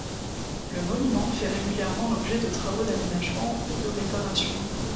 Le monument fait régulièrement l'objet de travaux d'aménagements ou de réparations.